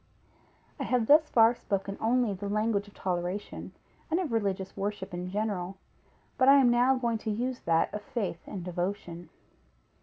I have thus far spoken only the language of toleration, and of religious worship in general, but I am now going to use that of faith and devotion.